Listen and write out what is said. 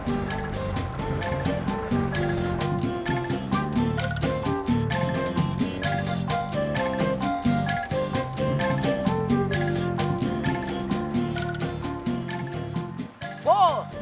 sampai jumpa di bandung